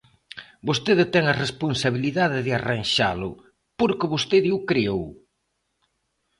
Vostede ten a responsabilidade de arranxalo porque vostede o creou.